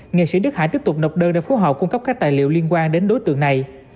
nghệ sĩ đức hải tiếp tục nộp đơn để phối hợp cung cấp các tài liệu liên quan đến đối tượng này